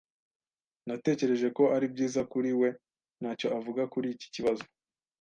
Natekereje ko ari byiza kuri we ntacyo avuga kuri iki kibazo.